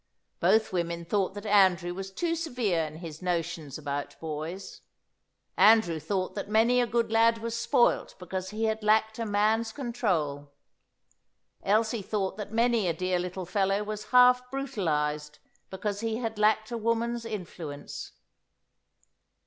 Both women thought that Andrew was too severe in his notions about boys. Andrew thought that many a good lad was spoilt because he had lacked a man's control. Elsie thought that many a dear little fellow was half brutalised because he had lacked a woman's influence.